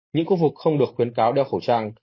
những khu vực không được khuyến cáo đeo khẩu trang